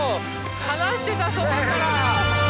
話してたとこから。